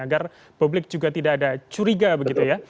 agar publik juga tidak ada curiga begitu ya